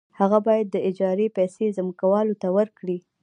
هغه باید د اجارې پیسې ځمکوال ته ورکړي